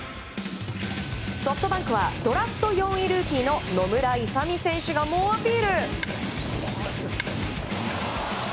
ソフトバンクはドラフト４位ルーキーの野村勇選手が猛アピール。